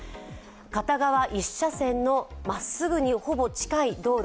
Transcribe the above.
片側１車線のまっすぐにほぼ近い道路。